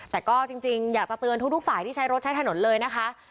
แต่ก็จริงอยากจะเตือนทุกฝ่ายที่ใช้รถใช้ถนนเลยนะคะ